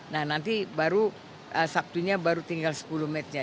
nah nanti baru saktunya baru tinggal sepuluh match nya